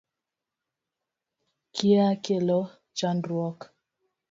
Kia kelo chandruok